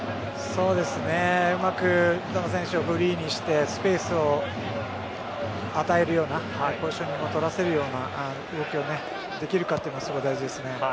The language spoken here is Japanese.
うまく三笘選手をフリーにしてスペースを与えるようなポジショニングを取らせるような動きをできるかというのが大事ですね。